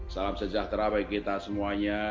salam sejahtera bagi kita semuanya